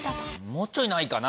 もうちょいないかな？